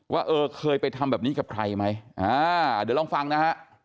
ว่าเคยไปทำแบบนี้กับใครไหมดูลองฟังนะ